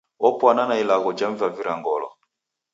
Opwana na ilagho jemvavira ngolo.